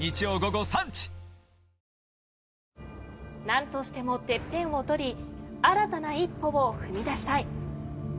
何としてもＴＥＰＰＥＮを取り新たな一歩を踏み出したい。